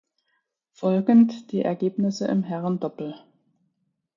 Folgend die Ergebnisse im Herrendoppel.